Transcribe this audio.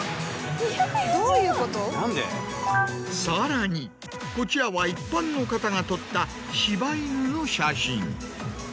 さらにこちらは一般の方が撮った柴犬の写真。